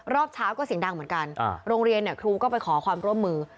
รอบเช้าก็เสียงดังเหมือนกันโรงเรียนเนี่ยครูก็ไปขอความร่วมมือ